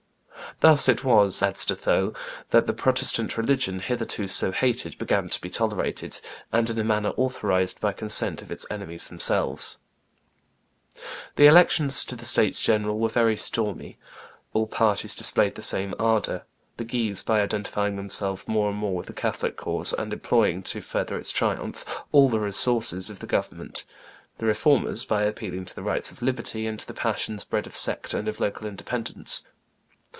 "Thus it was," adds De Thou, "that the Protestant religion, hitherto so hated, began to be tolerated, and in a manner authorized, by consent of its enemies themselves." [Histoire Universelle, t. iii. p. 535.] The elections to the states general were very stormy; all parties displayed the same ardor; the Guises by identifying themselves more and more with the Catholic cause, and employing, to further its triumph, all the resources of the government; the Reformers by appealing to the rights of liberty and to the passions bred of sect and of local independence.